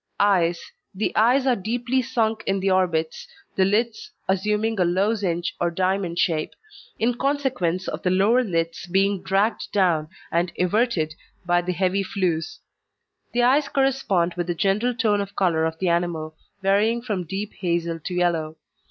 EYES The eyes are deeply sunk in the orbits, the lids assuming a lozenge or diamond shape, in consequence of the lower lids being dragged down and everted by the heavy flews. The eyes correspond with the general tone of colour of the animal, varying from deep hazel to yellow.